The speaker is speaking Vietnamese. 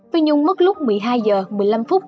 phi nhung mất lúc một mươi hai h một mươi năm